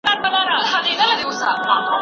ایا ستا استاد ستا په موضوع پوهیږي؟